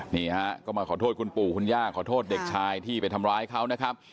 นี่ฮะก็มาขอโทษคุณปู่คุณย่าขอโทษเด็กชายที่ไปทำร้ายเขานะครับ